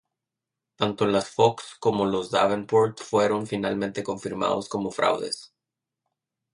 Tanto las Fox como los Davenport fueron finalmente confirmados como fraudes.